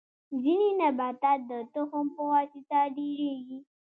ځینې نباتات د تخم په واسطه ډیریږي